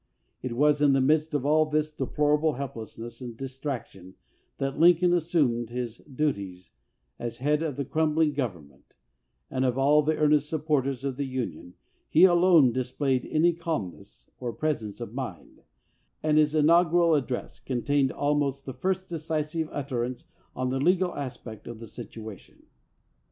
It was in the midst of all this deplorable help lessness and distraction that Lincoln assumed his duties as head of the crumbling government, and of all the earnest supporters of the Union he alone displayed any calmness or presence of mind, and his inaugural address contained almost the first decisive utterance on the legal aspect of the situation.